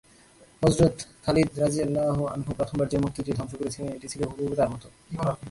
হযরত Khalid রাযিয়াল্লাহু আনহু প্রথমবার যে মূর্তিটি ধ্বংস করেছিলেন এটি ছিল হুবহু তার মত।